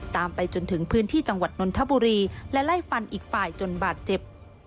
ไปจนถึงพื้นที่จังหวัดนนทบุรีและไล่ฟันอีกฝ่ายจนบาดเจ็บ